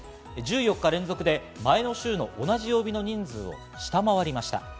１４日連続で前の週の同じ曜日の人数を下回りました。